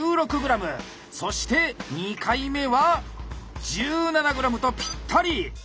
そして２回目は１７ｇとピッタリ！